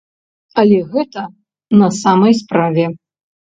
Але гэта на самай справе.